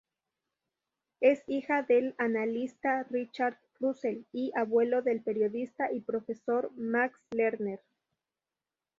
Es hija del analista Richard Russell, y abuelo del periodista y profesor Max Lerner.